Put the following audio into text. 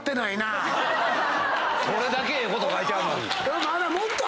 これだけええこと書いてあんのに。